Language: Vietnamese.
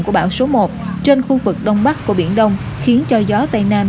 của bão số một trên khu vực đông bắc của biển đông khiến cho gió tây nam